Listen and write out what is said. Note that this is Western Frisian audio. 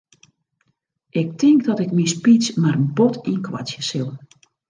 Ik tink dat ik myn speech mar bot ynkoartsje sil.